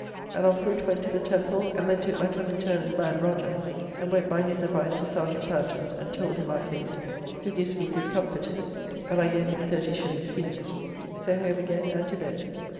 And on foot went to the Temple, and then took my cozen Turner's man Roger, and went by his advice to Serjeant Fountaine and told him our case, who gives me good comfort in it, and I gave him 30s. fee. So home again and to bed.